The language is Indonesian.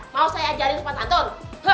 mau saya ajarin sepan santur